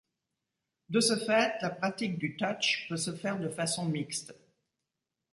De ce fait, la pratique du Touch peut se faire de façon mixte.